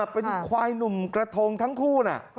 เป็นควายหนุ่มกระทงทั้งคู่นะ